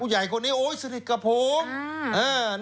ใหญ่คนนี้โอ๊ยสนิทกับผม